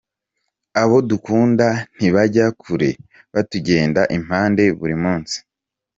Abo dukunda ntibajya kure, batugenda impande buri munsi.